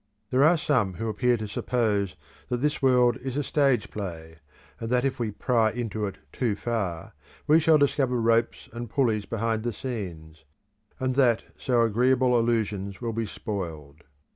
There are some who appear to suppose that this world is a stage play, and that if we pry into it too far, we shall discover ropes and pulleys behind the scenes, and that so agreeable illusions will be spoiled.